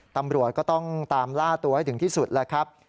ตำรวจก็ต้องตามล่าตัวให้ถึงที่สุดแล้วครับ